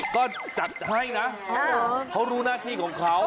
ก็จัดให้นะเขารู้หน้าที่ของเขา